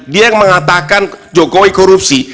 dia yang mengatakan jokowi korupsi